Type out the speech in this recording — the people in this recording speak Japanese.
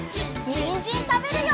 にんじんたべるよ！